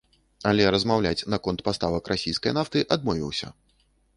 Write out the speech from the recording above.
Але размаўляць наконт паставак расійскай нафты адмовіўся.